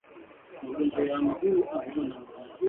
Magonjwa ya miguu na vidonda mdomoni